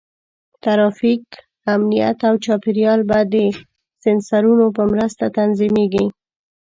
ټرافیک، امنیت، او چاپېریال به د سینسرونو په مرسته تنظیمېږي.